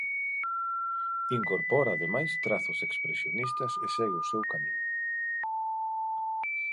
Incorpora ademais trazos expresionistas e segue o seu camiño.